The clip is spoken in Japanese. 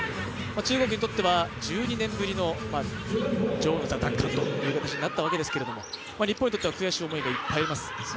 中国にとっては１２年ぶりの女王の座奪還という形になったわけですけれども日本にとっては悔しい思いがいっぱいあります。